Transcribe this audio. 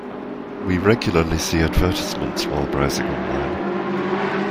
We regularly see advertisements while browsing online.